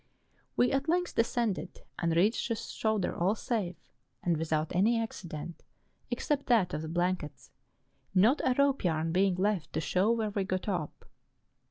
We at length descended and reached the shoulder all safe and without any accident, except that of the blankets, not a rope yarn being left to show where we got up.